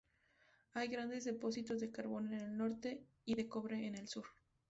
Hay grandes depósitos de carbón en el norte y de cobre en el sur.